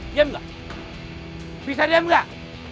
diam gak bisa diam gak